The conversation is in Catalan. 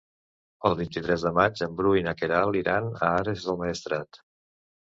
El vint-i-tres de maig en Bru i na Queralt iran a Ares del Maestrat.